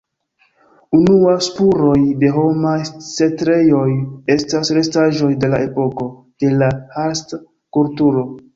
Unua spuroj de homaj setlejoj estas restaĵoj el la epoko de la Hallstatt-kulturo.